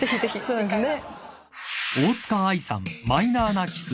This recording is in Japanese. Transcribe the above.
そうですね。